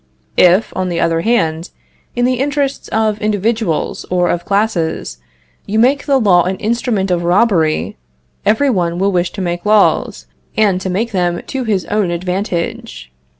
If, on the other hand, in the interests of individuals or of classes, you make the law an instrument of robbery, every one will wish to make laws, and to make them to his own advantage.